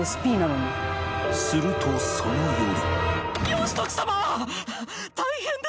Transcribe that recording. するとその夜